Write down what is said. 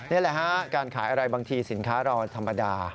นี่แหละฮะการขายอะไรบางทีสินค้าเราธรรมดา